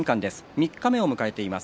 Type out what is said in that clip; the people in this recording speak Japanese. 三日目を迎えています。